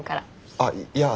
あっいや。